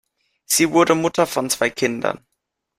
Sie wurde Mutter von zwei Kindern.